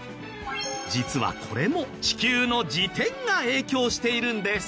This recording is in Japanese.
実はこれも地球の自転が影響しているんです。